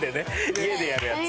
家でやるやつ。